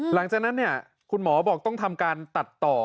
หลังจากนั้นเนี่ยคุณหมอบอกต้องทำการตัดต่อ